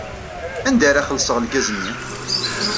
Anda ara xellṣeɣ lgaz-nni?